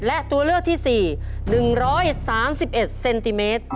และตัวเลือกที่๔๑๓๑เซนติเมตร